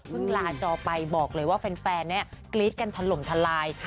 เพิ่งราจอไปบอกเลยว่าแฟนกรี๊ดกันทะลมทลาย